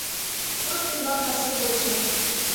Курык ӱмбал пасу гочшо